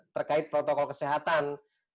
terkait protokol kesehatan